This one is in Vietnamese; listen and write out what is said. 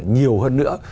nhiều hơn nữa